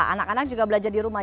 anak anak juga belajar di rumah